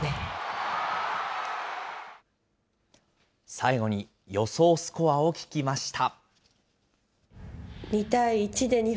最後に予想スコアを聞きました。